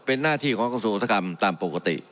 เป็นหน้าที่ของความสู่อุตักรรมตามปกติ